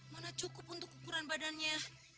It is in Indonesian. mana cukup untuk ukuran badannya